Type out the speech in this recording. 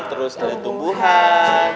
terus ada tumbuhan